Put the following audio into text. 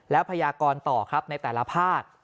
แล้วพยากรต่อครับในแต่ละภาค